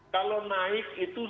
kalau naik itu